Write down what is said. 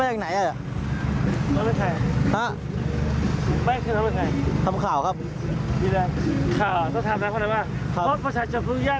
ใช่เลยขอบคุณมากแล้วห่วงอุปกรณ์เหตุทั้ง